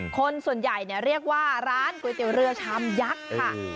คนส่วนใหญ่เรียกว่าร้านก๋วยเตี๋ยวเรือชามยักษ์ค่ะ